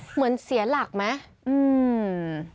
เหมือนเสียหลักไหม